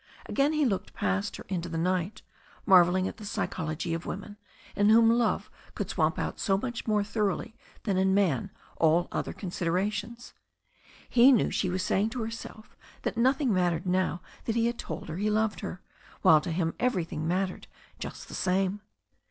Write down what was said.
Again he looked past her into the night, marvelling at the psychology of women, in whom love could swamp out so much more thoroughly than in man all other considera tions. He knew she was saying to herself that nothing mat tered now that he had told her he loved her, while to him everything mattered just the same.